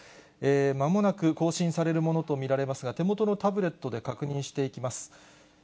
まもなく更新されるものと見られますが、手元のタブレットで確認していきます。